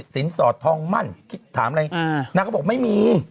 สินสอททองมั่นถามอะไรนางก็บอกไม่มี